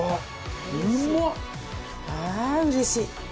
うわあうれしい！